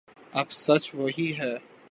اب سچ وہی ہے